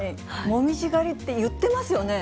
紅葉狩りって言ってますよね。